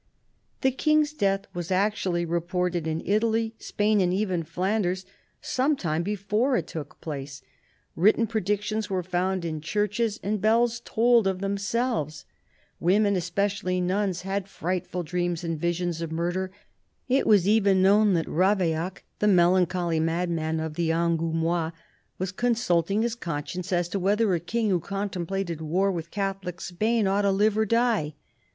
The King's death was actually reported in Italy, Spain, and even Flanders, some time before it took place ; written predictions were found in churches, and bells tolled of themselves ; women, especially nuns, had frightful dreams and visions of murder ; it was even known that Ravaillac, the melancholy madman of the Angoumois, was consulting his conscience as to whether a King who contemplated war with Catholic Spain ought to live or die.